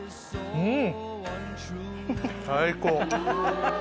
うん！